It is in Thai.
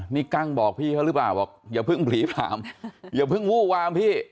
นี่กั้งบอกพี่เขาหรือเปล่าบอกอย่าเพิ่งผลีผลามอย่าเพิ่งวู้วามพี่